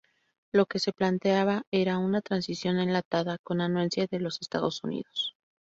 Lo que se planteaba era una "transición enlatada", con anuencia de los Estados Unidos.